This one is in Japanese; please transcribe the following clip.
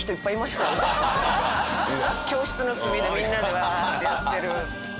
教室の隅でみんなでワーッてやってる。